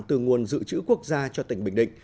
từ nguồn dự trữ quốc gia cho tỉnh bình định